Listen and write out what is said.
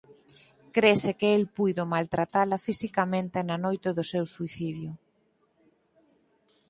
Crese que el puido maltratala fisicamente na noite do seu suicidio.